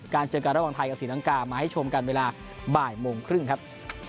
เจอกันระหว่างไทยกับศรีลังกามาให้ชมกันเวลาบ่ายโมงครึ่งครับ